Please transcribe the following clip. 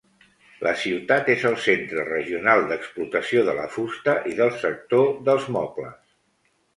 La ciutat és el centre regional d'explotació de la fusta i del sector dels mobles.